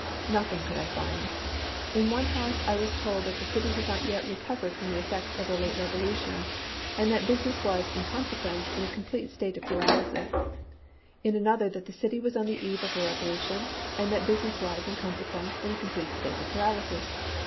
Nothing could I find. In one house I was told that the city had not yet recovered from the effects of the late revolution, and that business was, in consequence, in a complete state of paralysis; in another that the city was on the eve of a revolution, and that business was, in consequence, in a complete state of paralysis.